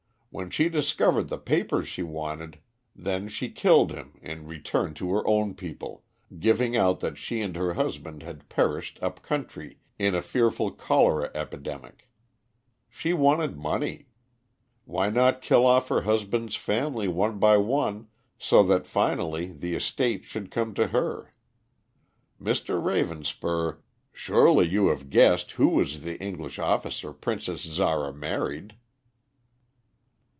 When she discovered the papers she wanted, then she killed him and returned to her own people, giving out that she and her husband had perished up country in a fearful cholera epidemic. She wanted money. Why not kill off her husband's family one by one so that finally the estates should come to her? Mr. Ravenspur, surely you have guessed who was the English officer Princess Zara married?"